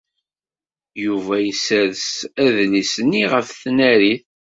Yuba yessers adlis-nni ɣef tnarit.